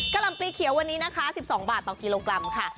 หล่ำปลีเขียววันนี้นะคะ๑๒บาทต่อกิโลกรัมค่ะ